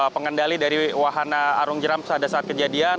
pengendali dari wahana arung jeram pada saat kejadian